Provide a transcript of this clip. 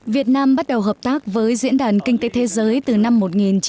việt nam bắt đầu hợp tác với diễn đàn kinh tế thế giới từ năm một nghìn chín trăm chín mươi